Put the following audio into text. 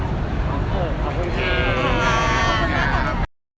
โปรดติดตามตอนต่อไป